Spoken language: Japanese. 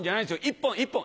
１本１本」。